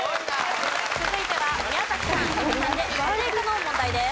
続いては宮崎さん映美さんで家庭科の問題です。